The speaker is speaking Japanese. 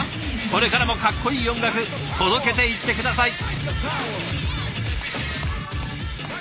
これからもかっこいい音楽届けていって下さい。